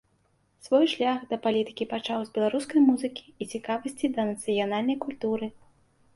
Свой шлях да палітыкі пачаў з беларускай музыкі і цікавасці да нацыянальнай культуры.